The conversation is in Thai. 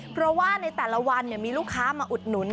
เพราะว่าในแต่ละวันมีลูกค้ามาอุดหนุน